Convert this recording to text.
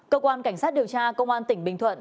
cơ quan cảnh sát điều tra công an tỉnh bình thuận